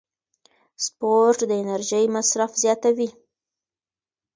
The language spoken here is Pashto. سپورت د انرژۍ مصرف زیاتوي.